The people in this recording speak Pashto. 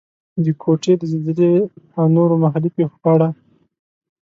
د کوټې د زلزلې او نورو محلي پېښو په اړه.